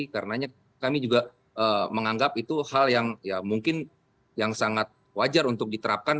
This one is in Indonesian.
karena kami juga menganggap itu hal yang mungkin yang sangat wajar untuk diterapkan